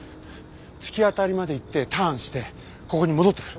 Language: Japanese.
突き当たりまで行ってターンしてここに戻ってくる。